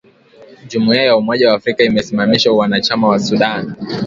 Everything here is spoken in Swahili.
Jumuiya ya umoja wa Afrika imesimamisha uanachama wa Sudan.